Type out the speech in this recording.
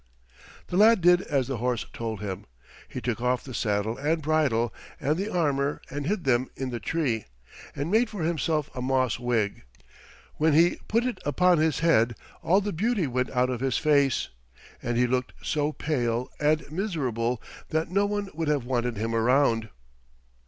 The lad did as the horse told him. He took off the saddle and bridle and the armor and hid them in the tree, and made for himself a moss wig; when he put it upon his head all the beauty went out of his face, and he looked so pale and miserable that no one would have wanted him around.